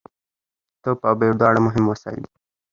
توپ او بېټ دواړه مهم وسایل دي.